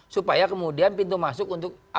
supaya kemudian pintu masuk untuk